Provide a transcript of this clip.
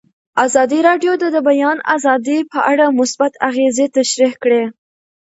ازادي راډیو د د بیان آزادي په اړه مثبت اغېزې تشریح کړي.